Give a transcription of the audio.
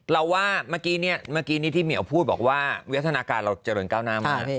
เราว่าเมื่อกี้ที่เหมียวพูดบอกว่าวิทยาลักษณะการณ์เราเจริญก้าวน้ำ